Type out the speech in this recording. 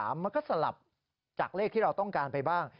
มันก็สลับจากเลขที่เราต้องการไปบ้าง